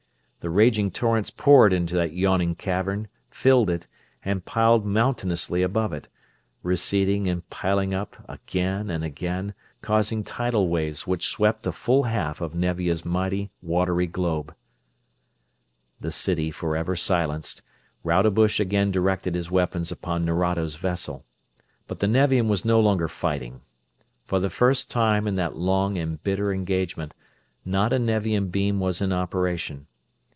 The raging torrents poured into that yawning cavern, filled it, and piled mountainously above it; receding and piling up, again and again, causing tidal waves which swept a full half of Nevia's mighty, watery globe. The city forever silenced, Rodebush again directed his weapons upon Nerado's vessel, but the Nevian was no longer fighting. For the first time in that long and bitter engagement, not a Nevian beam was in operation.